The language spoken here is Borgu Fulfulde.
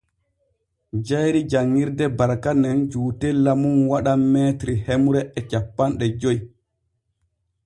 Jayri janŋirde Barka nen juutella mum waɗan m hemre e cappanɗe joy.